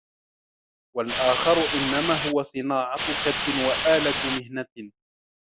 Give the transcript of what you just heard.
وَالْآخَرُ إنَّمَا هُوَ صِنَاعَةُ كَدٍّ وَآلَةُ مِهْنَةٍ